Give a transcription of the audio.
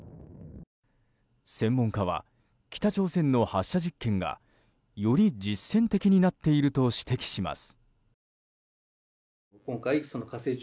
専門家は、北朝鮮の発射実験がより実戦的になっていると指摘します。